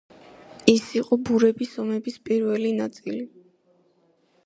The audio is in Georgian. ის იყო ბურების ომების პირველი ნაწილი.